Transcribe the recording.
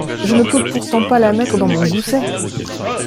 Je ne peux pourtant pas la mettre dans mon gousset !…